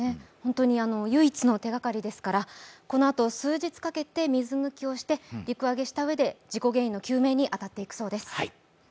唯一の手がかりですからこのあと数日かけて水抜きをして陸揚げをした上で事故原因の究明に当たっていくそうです。